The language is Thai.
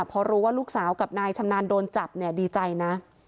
พอรู้ว่าลูกสาวกับนายชำนาญโดนจับเนี่ยดีใจนะ